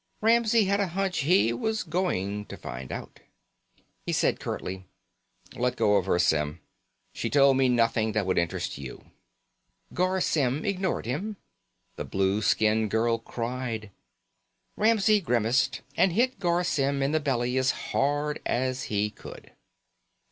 Ramsey had a hunch he was going to find out. He said curtly: "Let go of her, Symm. She told me nothing that would interest you." Garr Symm ignored him. The blue skinned girl cried. Ramsey grimaced and hit Garr Symm in the belly as hard as he could.